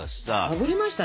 あぶりました